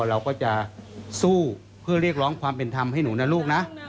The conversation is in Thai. เราก็จะสู้เพื่อเรียกร้องความเป็นธรรมให้หนูนะลูกนะ